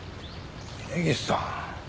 峯岸さん。